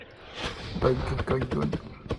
Donkey Kong Jr.